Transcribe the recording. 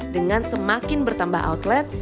dengan semakin bertambah outlet